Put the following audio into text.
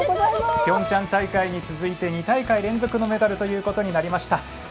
ピョンチャン大会に続いて２大会連続のメダルということになりました。